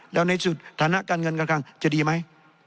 แล้วในสุดฐานะการเงินการคลังจะดีไหม